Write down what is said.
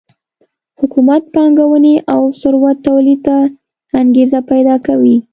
حکومت پانګونې او ثروت تولید ته انګېزه پیدا کوي